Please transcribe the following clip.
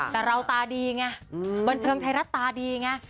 แต่เราตาดีไงบันเทิงไทยรัฐตาดีไง